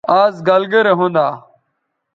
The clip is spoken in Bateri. آز گَلگرے ھوندا